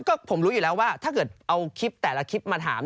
ก็ผมรู้อยู่แล้วว่าถ้าเกิดเอาคลิปแต่ละคลิปมาถาม